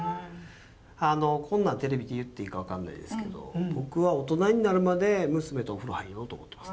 こんなんテレビで言っていいか分かんないですけど僕は大人になるまで娘とお風呂入ろうと思ってます。